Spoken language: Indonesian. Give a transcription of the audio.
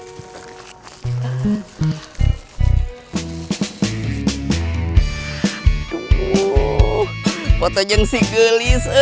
wuuuhh foto yang sih gelis